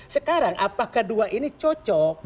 sekarang apakah dua ini cocok